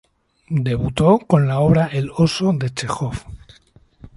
Debutó con la obra "El oso", de Chejov.